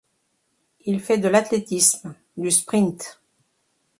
Il fait de l'athlétisme, du sprint.